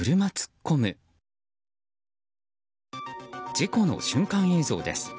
事故の瞬間映像です。